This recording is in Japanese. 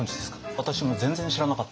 私も全然知らなかったんですね。